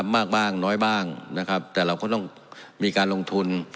มากบ้างน้อยบ้างนะครับแต่เราก็ต้องมีการลงทุน